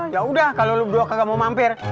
ya udah kalau lo berdua kagak mau mampir